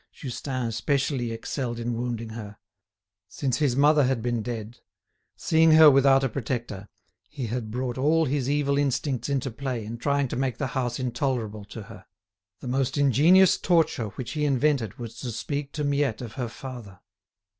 Justin especially excelled in wounding her. Since his mother had been dead, seeing her without a protector, he had brought all his evil instincts into play in trying to make the house intolerable to her. The most ingenious torture which he invented was to speak to Miette of her father.